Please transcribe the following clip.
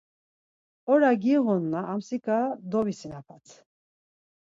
Ora giğunna amtsika dovisinapat.